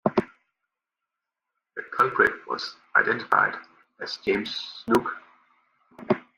The culprit was identified as James Snook.